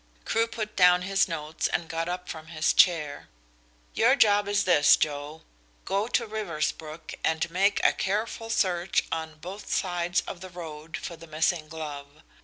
Crewe put down his notes and got up from his chair. "Your job is this, Joe. Go to Riversbrook and make a careful search on both sides of the road for the missing glove.